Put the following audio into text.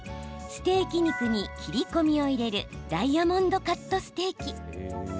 ステーキ肉に切り込みを入れるダイヤモンドカットステーキ。